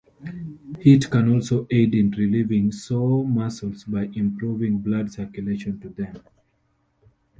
Heat can also aid in relieving sore muscles by improving blood circulation to them.